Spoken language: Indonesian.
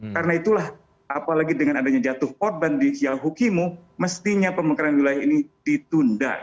karena itulah apalagi dengan adanya jatuh korban di hukimu mestinya pemekaran wilayah ini ditunda